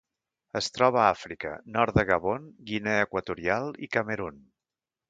Es troba a Àfrica: nord de Gabon, Guinea Equatorial i Camerun.